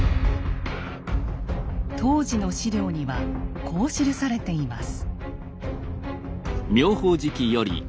当時の史料にはこう記されています。